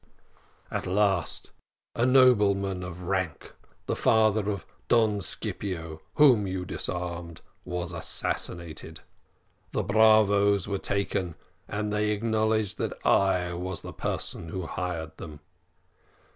"At last a nobleman of rank, the father of Don Scipio, whom you disarmed, was assassinated; the bravos were taken, and they acknowledged that I was the person who hired them.